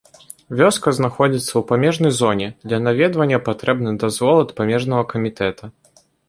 Вёска знаходзіцца ў памежнай зоне, для наведвання патрэбны дазвол ад памежнага камітэта.